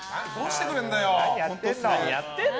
何やってんの！